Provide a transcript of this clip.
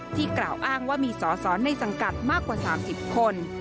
กล่าวอ้างว่ามีสอสอในสังกัดมากกว่า๓๐คน